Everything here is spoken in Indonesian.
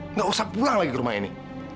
nggak usah pulang lagi ke rumah ini